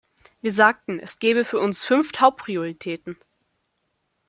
Wir sagten, es gäbe für uns fünf Hauptprioritäten.